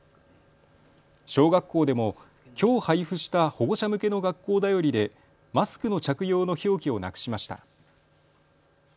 小学校でもきょう配布した保護者向けの学校だよりでマスクの着用の表記をなくしました。